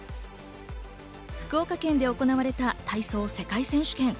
福岡県で行われた体操世界選手権。